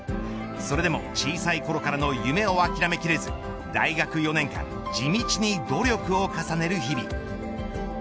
それでも、小さいころからの夢を諦めきれず大学４年間地道に努力を重ねる日々。